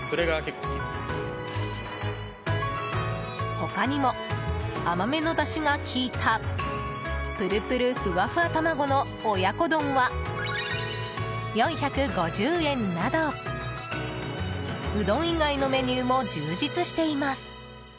他にも、甘めのだしが効いたプルプル、ふわふわ卵の親子丼は４５０円などうどん以外のメニューも充実しています。